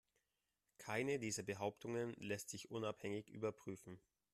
Keine dieser Behauptungen lässt sich unabhängig überprüfen.